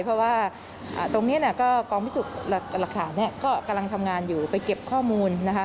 เพราะว่าตรงนี้ก็กองพิสูจน์หลักฐานก็กำลังทำงานอยู่ไปเก็บข้อมูลนะคะ